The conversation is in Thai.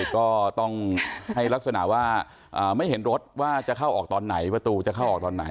ก็ต้องให้ลักษณะว่าไม่เห็นรถว่าจะเข้าออกตอนไหนประตูจะเข้าออกตอนไหน